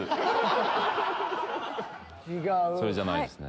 それじゃないですね。